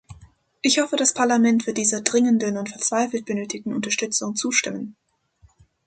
Ich hoffe, das Parlament wird dieser dringenden und verzweifelt benötigten Unterstützung zustimmen.